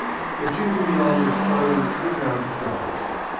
The chink in the armour of silence was now discovered.